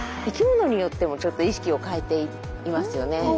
生きものによってもちょっと意識を変えていますよね。